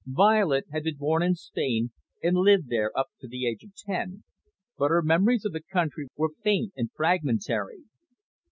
Violet had been born in Spain and lived there up to the age of ten, but her memories of the country were faint and fragmentary.